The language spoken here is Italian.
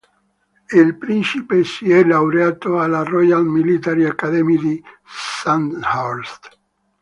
Il principe si è laureato alla Royal Military Academy di Sandhurst.